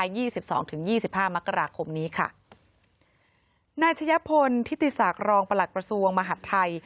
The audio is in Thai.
ยี่สิบสองถึงยี่สิบห้ามกราคมนี้ค่ะนาชญพนธิติศากรองประหลักประสูงวงมหัฐไทย